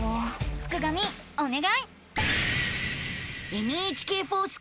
すくがミおねがい！